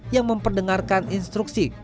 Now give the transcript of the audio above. yang memperdengarkan instruksi